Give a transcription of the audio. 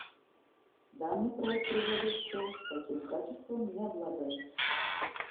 Данный проект резолюции таким качеством не обладает.